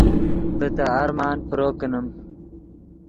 ڤے تے ارمان پرو کینیم